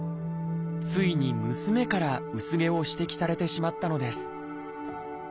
ついに娘から薄毛を指摘されてしまったのです。